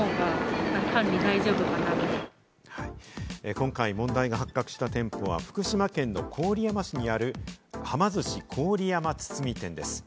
今回、問題が発覚した店舗は、福島県の郡山市にある、はま寿司郡山堤店です。